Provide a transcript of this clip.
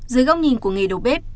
dưới góc nhìn của nghề đầu bếp